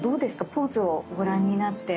ポーズをご覧になって。